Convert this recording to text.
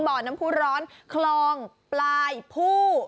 บ่อน้ำผู้ร้อนคลองปลายผู้